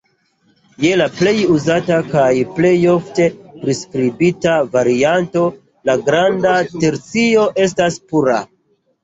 Je la plej uzata kaj la plejofte priskribita varianto la granda tercio estas pura.